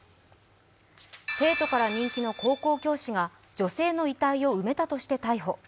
生徒から人気の高校教師が女性の遺体を埋めたとして逮捕。